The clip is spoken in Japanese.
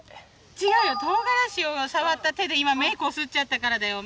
違うよ、トウガラシを触った手で今、目こすっちゃったからだよ。